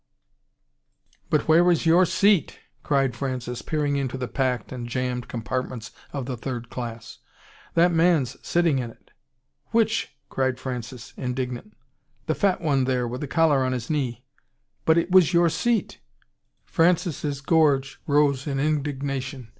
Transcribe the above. "But where is YOUR SEAT?" cried Francis, peering into the packed and jammed compartments of the third class. "That man's sitting in it." "Which?" cried Francis, indignant. "The fat one there with the collar on his knee." "But it was your seat !" Francis' gorge rose in indignation.